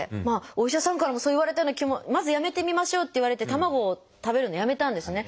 お医者さんからもそう言われたような気もまずやめてみましょうって言われて卵を食べるのをやめたんですね。